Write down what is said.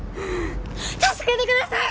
助けてください！